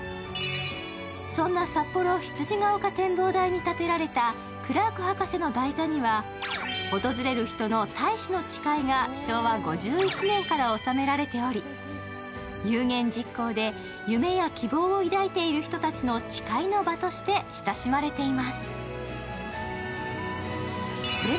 そんなさっぽろ羊ヶ丘展望台に建てられたクラーク博士の台座には訪れる人の大志の誓いが昭和５１年から収められており、有言実行で夢や希望を抱いている人たちの誓いの場として親しまれています。